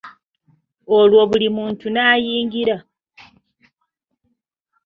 Olwo buli muntu n'ayingira.